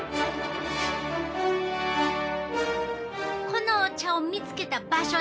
このお茶を見つけた場所